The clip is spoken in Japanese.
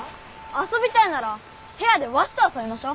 遊びたいなら部屋でわしと遊びましょう。